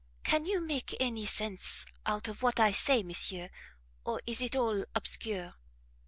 Can you make any sense out of what I say, monsieur, or is it all obscure?"